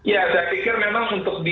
ya saya pikir memang untuk di